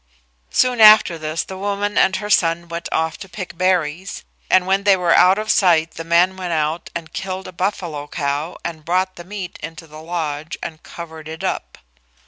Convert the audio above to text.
Soon after this the woman and her son went off to pick berries, and when they were out of sight the man went out and killed a buffalo cow and brought the meat into the lodge and covered it up.